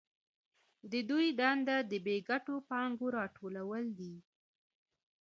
د دوی دنده د بې ګټو پانګو راټولول دي